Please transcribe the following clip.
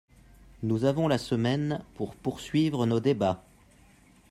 Nous avons la semaine pour poursuivre nos débats.